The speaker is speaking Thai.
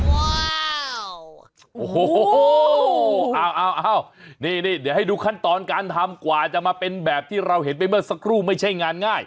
โอ้โหเอานี่เดี๋ยวให้ดูขั้นตอนการทำกว่าจะมาเป็นแบบที่เราเห็นไปเมื่อสักครู่ไม่ใช่งานง่าย